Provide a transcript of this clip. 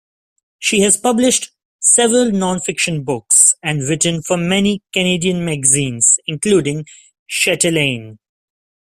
She has published several non-fiction books and written for many Canadian magazines including "Chatelaine".